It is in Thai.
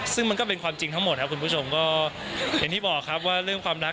ซึ่งมันก็เป็นความจริงทั้งหมดครับคุณผู้ชมก็อย่างที่บอกครับว่าเรื่องความรัก